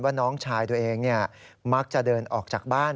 น้องชายตัวเองมักจะเดินออกจากบ้าน